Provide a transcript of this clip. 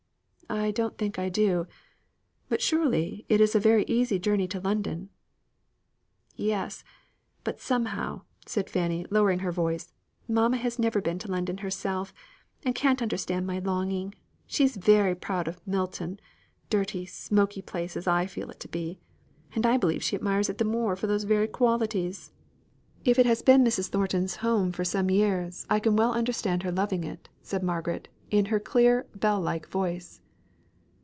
"I don't think I do. But surely, it is a very easy journey to London." "Yes; but somehow," said Fanny, lowering her voice, "mamma has never been to London herself, and can't understand my longing. She is very proud of Milton; dirty, smoky place as I feel it to be. I believe she admires it the more for those very qualities." "If it has been Mrs. Thornton's home for some years, I can well understand her loving it," said Margaret, in her clear, bell like voice.